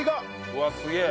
うわすげえ！